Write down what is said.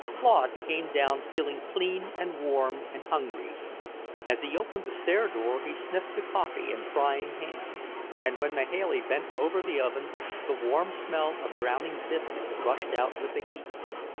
Claude came down feeling clean and warm and hungry. As he opened the stair door he sniffed the coffee and frying ham, and when Mahailey bent over the oven the warm smell of browning biscuit rushed out with the heat.